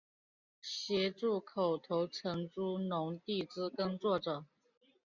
协助口头承租农地之耕作者